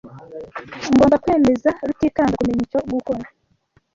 Ngomba kwemeza Rutikanga kumenya icyo gukora.